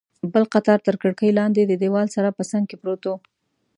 بل قطار تر کړکۍ لاندې، د دیوال سره په څنګ کې پروت و.